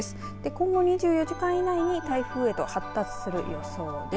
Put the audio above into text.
今後２４時間以内に台風へと発達する予想です。